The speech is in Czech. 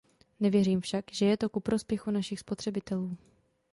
Nevěřím však, že to je ku prospěchu našich spotřebitelů.